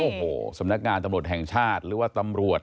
โอ้โหสำนักงานตำรวจแห่งชาติหรือว่าตำรวจ